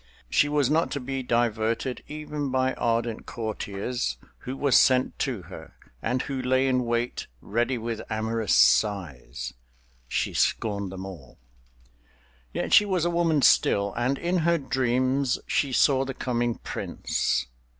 She was not to be diverted even by ardent courtiers who were sent to her, and who lay in wait ready with amorous sighs—she scorned them all. Yet she was a woman still, and in her dreams she saw the coming prince.